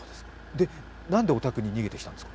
何でお宅に逃げてきたんですか？